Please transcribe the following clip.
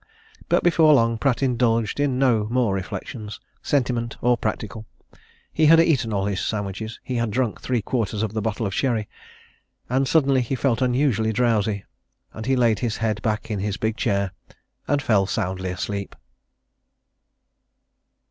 But before long Pratt indulged in no more reflections sentiment or practical. He had eaten all his sandwiches; he had drunk three quarters of the bottle of sherry. And suddenly he felt unusually drowsy, and he laid his head back in his big chair, and fell soundly asleep.